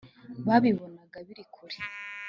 babibonaga biri kure